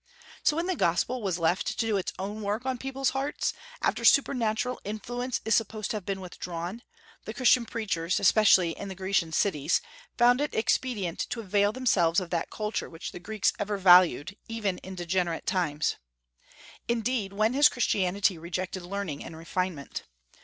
So when the gospel was left to do its own work on people's hearts, after supernatural influence is supposed to have been withdrawn, the Christian preachers, especially in the Grecian cities, found it expedient to avail themselves of that culture which the Greeks ever valued, even in degenerate times. Indeed, when has Christianity rejected learning and refinement?